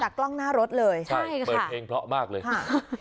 กล้องหน้ารถเลยใช่ค่ะเปิดเพลงเพราะมากเลยค่ะ